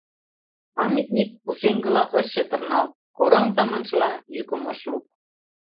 Памятник пушеҥгыла ыш чытырналт, кораҥза маншыла, йӱкым ыш лук.